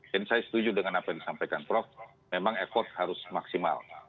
dan saya setuju dengan apa yang disampaikan prof memang effort harus maksimal